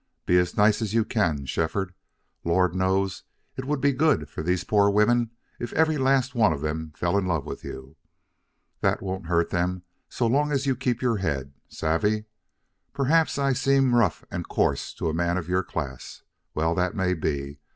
Be as nice as you can, Shefford. Lord knows it would be good for these poor women if every last one of them fell in love with you. That won't hurt them so long as you keep your head. Savvy? Perhaps I seem rough and coarse to a man of your class. Well, that may be.